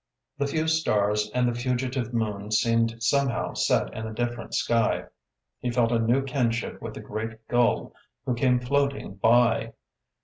The few stars and the fugitive moon seemed somehow set in a different sky. He felt a new kinship with a great gull who came floating by.